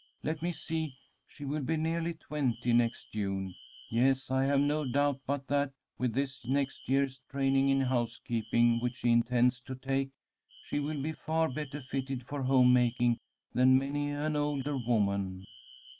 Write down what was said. Let me see. She will be nearly twenty next June. Yes, I have no doubt but that, with this next year's training in housekeeping which she intends to take, she will be far better fitted for home making than many an older woman."